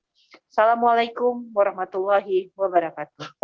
assalamu'alaikum warahmatullahi wabarakatuh